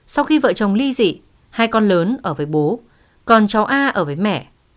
sau khi vợ chồng ly dị hai con lớn ở với bố con cháu a ở với mẹ